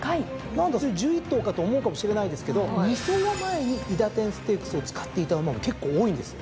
何だ１１頭かと思うかもしれないですけど２走前に韋駄天ステークスを使っていた馬も結構多いんですよ。